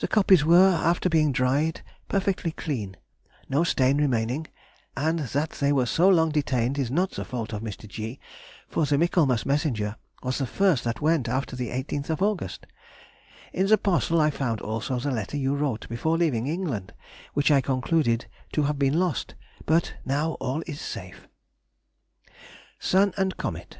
The copies were, after being dried, perfectly clean, no stain remaining, and that they were so long detained is not the fault of Mr. G., for the Michaelmas messenger was the first that went after the 18th Aug. In the parcel I found also the letter you wrote before leaving England, which I concluded to have been lost, but now all is safe. _Sun and Comet.